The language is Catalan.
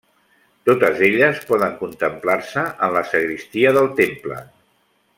Totes elles poden contemplar-se en la sagristia del temple.